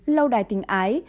lâu đài tình ái